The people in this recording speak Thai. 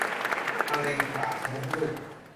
มะเร็งปากมดลูก